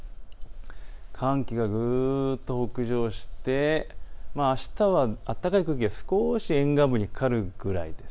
寒気がぐっと北上してあしたは暖かい空気が少し沿岸部にかかるくらいです。